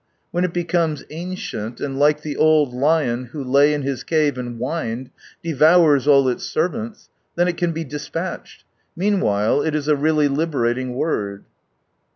When it becomes ancient, and like the old lion who lay in his cave and whined, devours all its servants, then it can be despatched. Meanwhile it is a really liberating word.